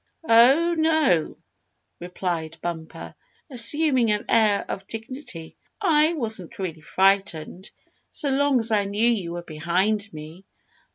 "Oh, no," replied Bumper, assuming an air of dignity. "I wasn't really frightened so long as I knew you were behind me.